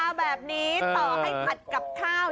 ขายมาตั้งสี่สิบกว่าปีแล้ว